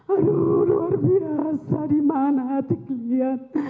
aduh luar biasa dimana hati kalian